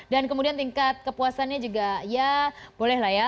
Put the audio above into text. dan kemudian tingkat kepuasannya juga ya boleh lah ya